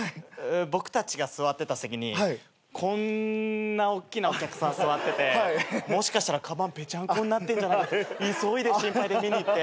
僕たちが座ってた席にこんなおっきなお客さん座っててもしかしたらかばんぺちゃんこになってんじゃないか急いで心配で見に行って。